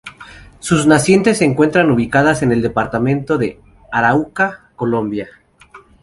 Sus nacientes se encuentran ubicadas en el departamento de Arauca, Colombia.